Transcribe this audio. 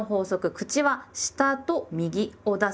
「口は下と右を出す」。